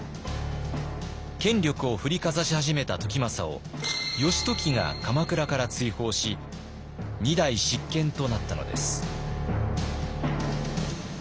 権力を振りかざし始めた時政を義時が鎌倉から追放し２代執権となったのです。